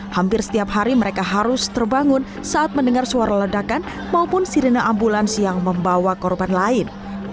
hampir setiap hari mereka harus terbangun saat mendengar suara ledakan maupun sirine ambulans yang membawa korban lain